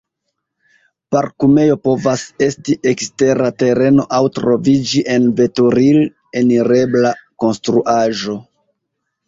Parkumejo povas esti ekstera tereno aŭ troviĝi en veturil-enirebla konstruaĵo.